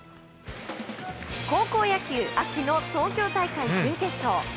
高校野球、秋の東京大会準決勝。